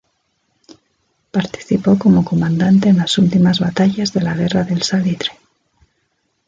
Participó como comandante en las últimas batallas de la Guerra del Salitre.